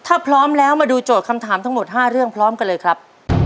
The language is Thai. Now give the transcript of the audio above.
ถ้าพร้อมแล้วมาดูโจทย์คำถามทั้งหมด๕เรื่องพร้อมกันเลยครับ